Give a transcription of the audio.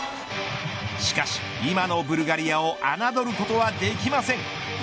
しかし、今のブルガリアをあなどることができません。